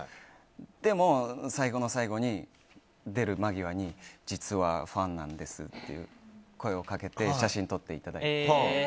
でも、最後の最後に出る間際に実は、ファンなんですって声をかけて写真を撮っていただいて。